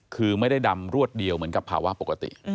คือไม่ได้ดำรวดเดียวเหมือนกับภาวะปกติ